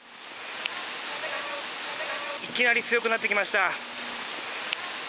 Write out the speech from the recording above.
いきなり強くなってきました。